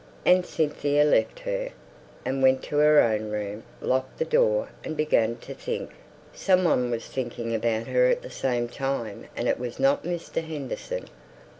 And Cynthia left her, and went to her own room, locked the door, and began to think. Some one was thinking about her at the same time, and it was not Mr. Henderson.